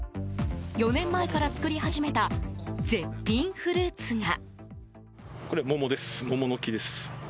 ４年前から作り始めた絶品フルーツが。